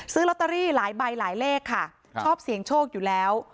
ซื้อลอตเตอรี่หลายใบหลายเลขค่ะชอบเสี่ยงโชคอยู่แล้ว